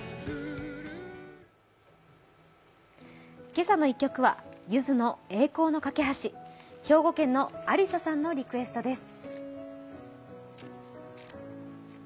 「けさの１曲」はゆずの「栄光の架橋」、兵庫県のありささんのリクエストです。